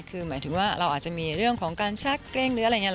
คือหมายถึงว่าเราอาจจะมีเรื่องของการชักเกรงหรืออะไรอย่างนี้